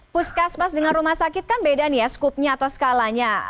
puskesmas dengan rumah sakit kan beda nih ya skupnya atau skalanya